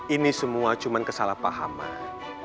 ini semua cuma kesalahpahaman